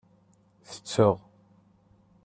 Tetteɣ.